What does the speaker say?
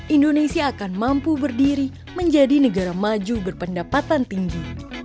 indonesia akan mampu berdiri menjadi negara maju berpendapatan tinggi